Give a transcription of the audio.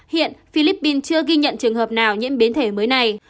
hiện philippines chưa ghi nhận trường hợp nào nhiễm biến thể mới này